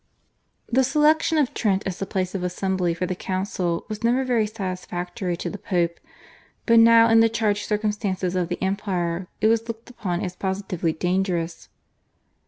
The selection of Trent as the place of assembly for the council was never very satisfactory to the Pope, but now in the changed circumstances of the Empire it was looked upon as positively dangerous.